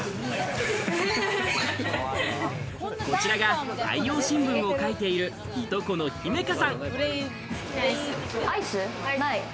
こちらが太陽新聞を書いている、いとこの姫香さん。